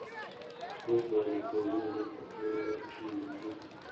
موږ باید د کورنۍ اړیکې د خبرو له لارې ټینګې کړو